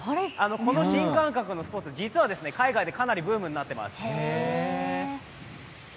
この新感覚のスポーツ、実は、海外でかなりブームになっています。